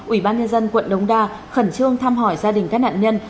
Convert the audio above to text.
ubnd quận đống đa khẩn trương thăm hỏi gia đình các nạn nhân